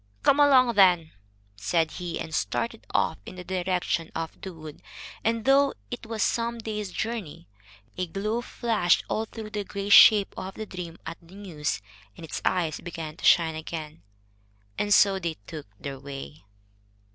"Come along, then," said he, and started off in the direction of the wood, and, though it was some days' journey, a glow flushed all through the gray shape of the dream at the news, and its eyes began to shine again. And so they took their way.